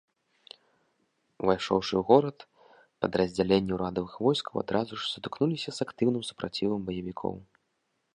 Увайшоўшы ў горад, падраздзяленні ўрадавых войскаў адразу ж сутыкнуліся з актыўным супрацівам баевікоў.